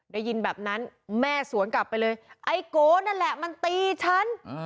ได้ยินแบบนั้นแม่สวนกลับไปเลยไอ้โกนั่นแหละมันตีฉัน